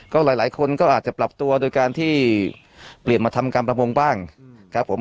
ก็หลายคนก็อาจจะปรับตัวโดยการที่เปลี่ยนมาทำการประมงบ้างครับผม